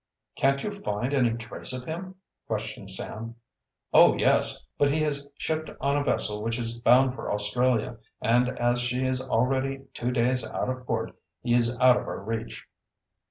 "Can't you find any trace of him?" questioned Sam. "Oh, yes! but he has shipped on a vessel which is bound for Australia, and as she is already two days out of port he is out of our reach."